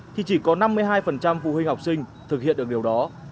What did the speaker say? thì chỉ có năm mươi hai phụ huynh học sinh thực hiện được điều đó